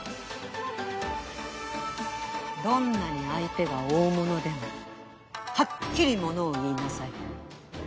どんなに相手が大物でもはっきり物を言いなさい。